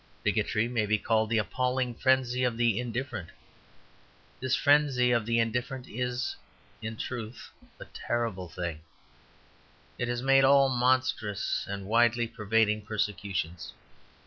Bigotry may be called the appalling frenzy of the indifferent. This frenzy of the indifferent is in truth a terrible thing; it has made all monstrous and widely pervading persecutions.